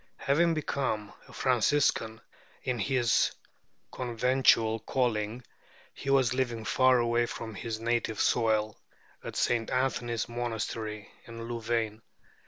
Having become a Franciscan, in his conventual calling he was living far away from his native soil, at St. Anthony's monastery in Louvain.